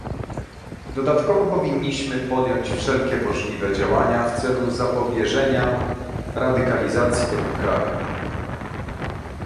Dodatkowo powinniśmy podjąć wszelkie możliwe działania w celu zapobieżenia radykalizacji tego kraju